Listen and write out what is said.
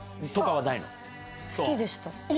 好きでした。